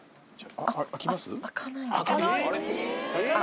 開きます？